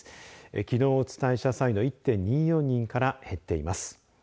きのうお伝えした際の１．２４人から減っています。